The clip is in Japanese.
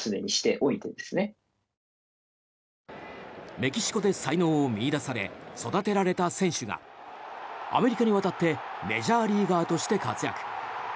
メキシコで才能を見いだされ育てられた選手がアメリカに渡ってメジャーリーガーとして活躍。